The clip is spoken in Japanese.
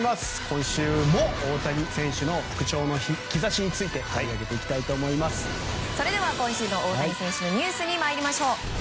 今週も大谷選手の復調の兆しについてそれでは今週の大谷選手のニュースに参りましょう。